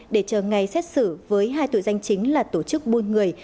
để chờ ngày xét xử với hai tội danh chính là tổ chức buôn người